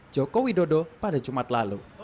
jokowi dodo pada jumat lalu